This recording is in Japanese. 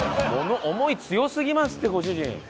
思い強すぎますってご主人。